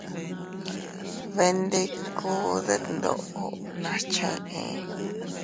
Beendikuu ddeetdoo nas chee.